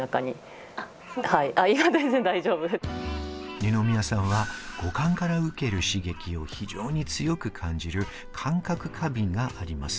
二宮さんは五感から受ける刺激を非常に強く感じる感覚過敏があります。